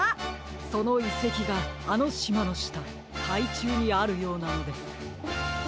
そのいせきがあのしまのしたかいちゅうにあるようなのです。